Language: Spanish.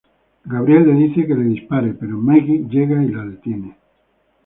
Gabriel le dice que le dispare, pero Maggie llega y la detiene.